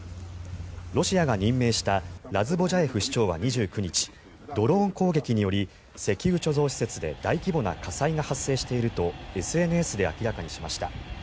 ロシアが任命したラズボジャエフ市長は２９日ドローン攻撃により石油貯蔵施設で大規模な火災が発生しているとＳＮＳで明らかにしました。